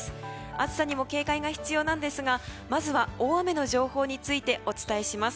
暑さにも警戒が必要なんですがまずは大雨の情報についてお伝えします。